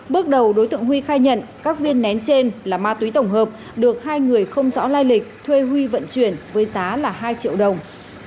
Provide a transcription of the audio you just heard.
bước đầu đối tượng huy khai nhận các viên nén trên là ma túy tổng hợp được hai người không rõ lai lịch thuê huy vận chuyển với giá là hai triệu đồng